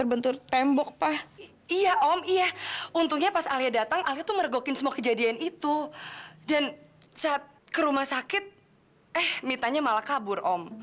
eh mitanya malah kabur om